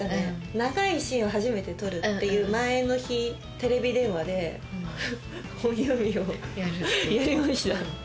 長いシーンを初めて撮るっていう前の日テレビ電話で本読みをやりました。